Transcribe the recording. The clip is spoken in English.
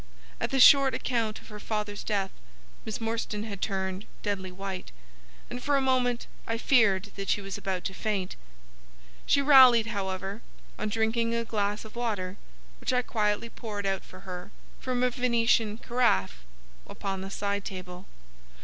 At the short account of her father's death Miss Morstan had turned deadly white, and for a moment I feared that she was about to faint. She rallied however, on drinking a glass of water which I quietly poured out for her from a Venetian carafe upon the side table.